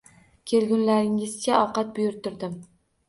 Kelgunlaringizcha ovqat buyurtirdim